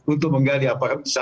untuk menggali apa yang bisa